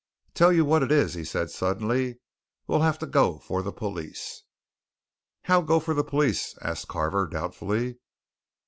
"Tell you what it is," he said suddenly. "We'll have to go for the police!" "How go for the police?" asked Carver doubtfully.